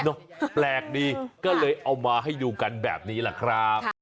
แปลกดีก็เลยเอามาให้ดูกันแบบนี้แหละครับ